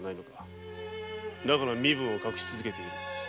だから身分を隠し続けている。